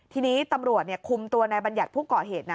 ทีนี้ตำรวจคุมตัวนายบรรยัทย์พวกก่อเหตุ